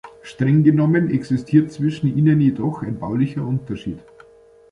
Strenggenommen existiert zwischen ihnen jedoch ein baulicher Unterschied.